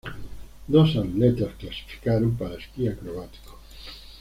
Dos atletas clasificaron para esquí acrobático.